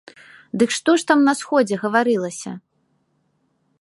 Дык што ж там на сходзе гаварылася?